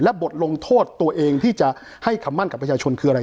บทลงโทษตัวเองที่จะให้คำมั่นกับประชาชนคืออะไร